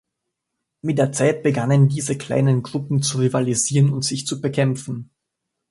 Mit der Zeit begannen diese kleinen Gruppen zu rivalisieren und sich zu bekämpfen.